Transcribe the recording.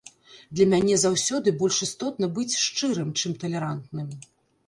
Для мяне заўсёды больш істотна быць шчырым, чым талерантным.